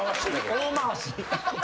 大回し。